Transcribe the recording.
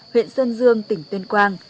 huyện sơn dương tỉnh tuyên quang